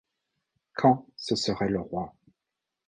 Quand ce serait le Roi !